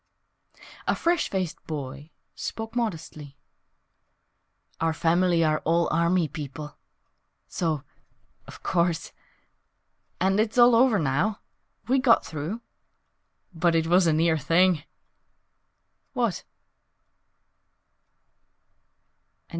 ....... A fresh faced boy spoke modestly; "Our family are all Army people So, of course And it's all over now. We got through. But it was a near thing What?"